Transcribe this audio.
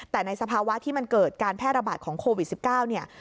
แต่ในสภาวะที่มันเกิดการแพร่ระบาดของโควิด๑๙เนี่ย